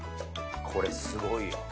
これすごいよ。